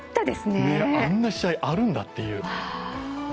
あんな試合あるんだっていう。